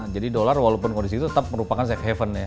jadi dolar walaupun kondisi itu tetap merupakan safe haven ya